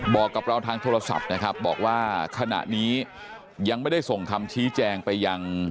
บอกกับเราทางโทรศัพท์นะครับบอกว่าขณะนี้ยังไม่ได้ส่งคำชี้แจงไปยัง